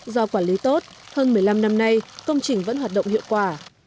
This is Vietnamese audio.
do quản lý tốt hơn một mươi năm năm nay công trình vẫn hoạt động hiệu quả